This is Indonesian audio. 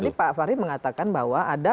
tadi pak fahri mengatakan bahwa ada